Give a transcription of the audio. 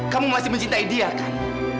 kamu masih mencintai dia kan